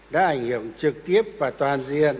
đã ảnh hưởng trực tiếp và toàn diện